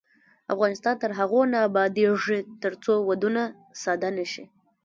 افغانستان تر هغو نه ابادیږي، ترڅو ودونه ساده نشي.